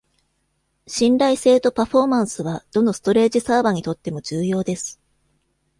信頼性とパフォーマンスは、どのストレージ・サーバにとっても重要です。